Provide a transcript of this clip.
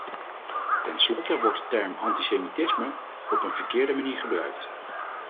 Tenslotte wordt de term antisemitisme op een verkeerde manier gebruikt.